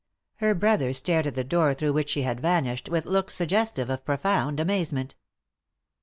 Her brother stared at the door through which she had vanished with looks suggestive of profound amazement.